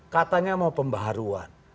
katanya mau pembaharuan